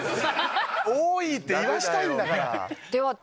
多いって言わしたいんだから。